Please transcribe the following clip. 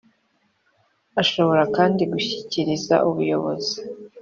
ashobora kandi gushyikiriza ubuyobozi